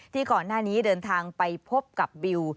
ก่อนหน้านี้เดินทางไปพบกับบิว